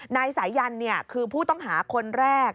นายสายันคือผู้ต้องหาคนแรก